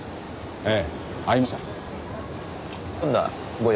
ええ。